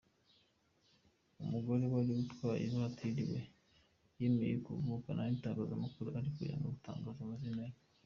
Umugore wari utwaye ivatiri we yemeye kuvugana n’itangazamakuru ariko yanga gutangaza amazina ye.